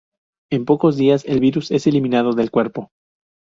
En pocos días el virus es eliminado del cuerpo.